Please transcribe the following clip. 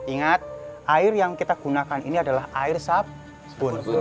ingat air yang kita gunakan ini adalah air sabun